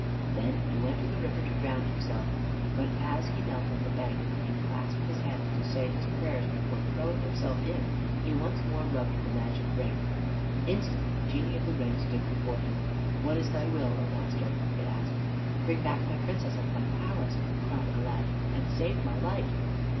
Then he went to the river to drown himself; but as he knelt on the bank and clasped his hands to say his prayers before throwing himself in, he once more rubbed the Magic Ring. Instantly the Genie of the Ring stood before him. "What is thy will, O master?" it asked. "Bring back my Princess and my palace," cried Aladdin, "and save my life."